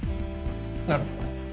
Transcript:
なるほど。